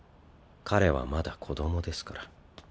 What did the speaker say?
彼はまだ子どもですから。